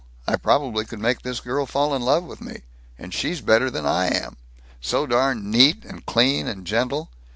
I probably could make this girl fall in love with me. And she's better than I am; so darn neat and clean and gentle.